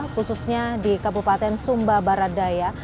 khususnya di kabupaten sumba baradaya